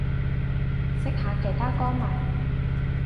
識下其他歌迷